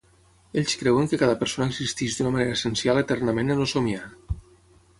Ells creuen que cada persona existeix d'una manera essencial eternament en el Somiar.